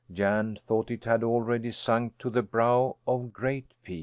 Jan thought it had already sunk to the brow of Great Peak.